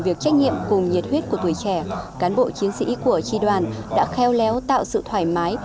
về việc trách nhiệm cùng nhiệt huyết của tuổi trẻ cán bộ chiến sĩ của tri đoàn đã kheo léo tạo sự thoải mái